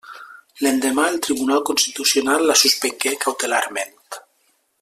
L'endemà el Tribunal Constitucional la suspengué cautelarment.